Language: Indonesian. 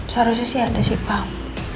seharusnya sih ada sih pak